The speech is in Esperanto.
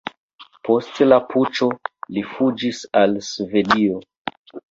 Post la puĉo li fuĝis al Svedio.